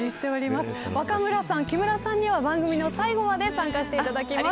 若村さん、木村さんには番組の最後まで参加していただきます。